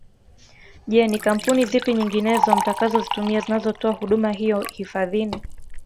Je ni Kampuni zipi nyinginezo mtakazozitumia zinazotoa huduma hiyo hifadhini